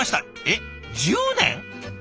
えっ１０年！？